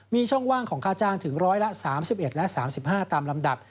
มีช่องว่างของค่าจ้างถึง๑๓๑และ๓๕ตามลำดับ